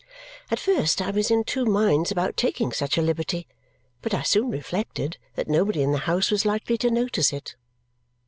At first I was in two minds about taking such a liberty, but I soon reflected that nobody in the house was likely to notice it.